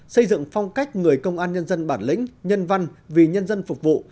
xây dựng phong cách người công an nhân dân bản lĩnh nhân văn vì nhân dân phục vụ